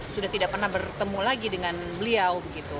sudah tidak pernah bertemu lagi dengan beliau